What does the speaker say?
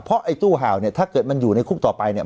เพราะไอ้ตู้ห่าวเนี่ยถ้าเกิดมันอยู่ในคุกต่อไปเนี่ย